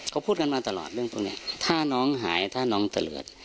เขาพูดกันมาตลอดเรื่องพวกนี้ถ้าน้องหายถ้าน้องเตลิศ